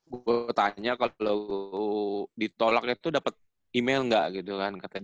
gua tanya kalo ditolaknya tuh dapet email enggak gitu kan